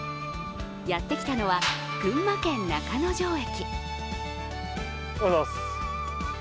やってきたのは、群馬県中之条駅。